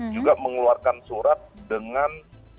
juga mengeluarkan surat dengan